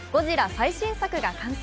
最新作が完成。